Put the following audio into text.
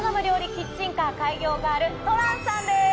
キッチンカー開業ガールとらんさんです。